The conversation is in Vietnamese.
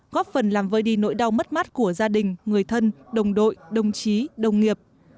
góp phần làm vơi đi nỗi đau mất mát của gia đình người thân đồng đội đồng chí đồng nghiệp